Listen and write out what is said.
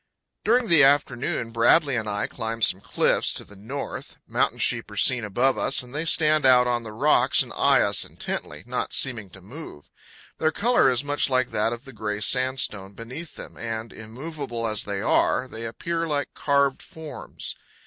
During the afternoon Bradley and I climb some cliffs to the north. Mountain sheep are seen above us, and they stand out on the rocks and eye us intently, not seeming to move. Their color is much like that of the gray sandstone beneath them, and, immovable as they are, they appear like carved forms.